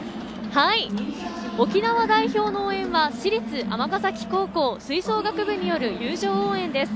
沖縄代表の応援は市立尼崎高校吹奏楽部による友情応援です。